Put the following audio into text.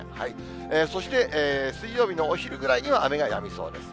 そして水曜日のお昼ぐらいには雨がやみそうです。